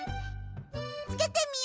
つけてみよっか！